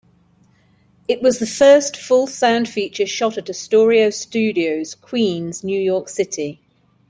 It was the first full-sound feature shot at Astoria Studios, Queens, New York City.